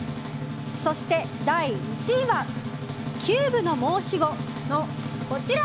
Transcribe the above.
そして、第１位はキューブの申し子のこちら！